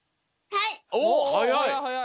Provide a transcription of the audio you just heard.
はい！